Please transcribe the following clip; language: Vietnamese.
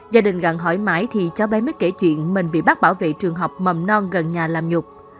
gia đình gần hỏi mãi thì cháu bé mới kể chuyện mình bị bác bảo vệ trường học mầm non gần nhà làm nhục